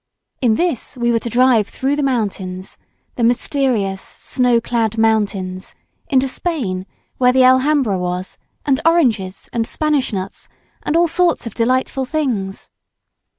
In this we were to drive through the mountains, the mysterious snow clad mountains, into Spain, where the Alhambra was, and oranges and Spanish nuts, and all sorts of delightful things.